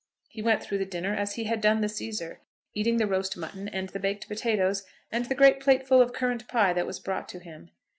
He went through the dinner, as he had done the Cæsar, eating the roast mutton and the baked potatoes, and the great plateful of currant pie that was brought to him.